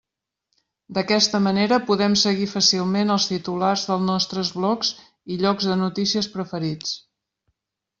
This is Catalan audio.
D'aquesta manera, podem seguir fàcilment els titulars dels nostres blocs i llocs de notícies preferits.